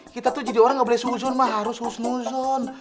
kita tuh jadi orang gak boleh suhuzon emak harus husnuzon